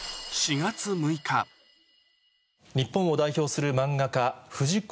日本を代表する漫画家藤子